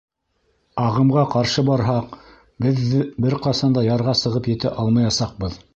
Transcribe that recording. — Ағымға ҡаршы барһаҡ, беҙ бер ҡасан да ярға сығып етә алмаясаҡбыҙ!